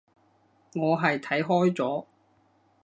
我係睇開咗